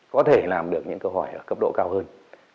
có thể làm được những câu hỏi ở cấp độ cao hơn